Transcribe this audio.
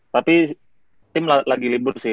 tapi tim lagi libur sih